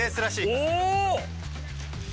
お！